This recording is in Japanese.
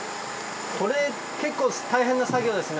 これ結構大変な作業ですね。